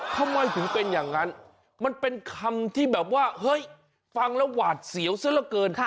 ทำไมถึงเป็นอย่างนั้นมันเป็นคำที่แบบว่าเฮ้ยฟังแล้วหวาดเสียวซะละเกิน